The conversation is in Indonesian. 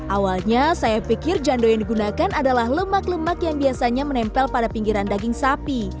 awalnya saya pikir jando yang digunakan adalah lemak lemak yang biasanya menempel pada pinggiran daging sapi